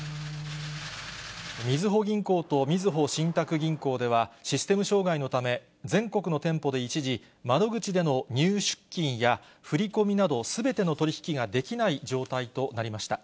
みずほ銀行とみずほ信託銀行では、システム障害のため、全国の店舗で一時、窓口での入出金や振り込みなど、すべての取り引きができない状態となりました。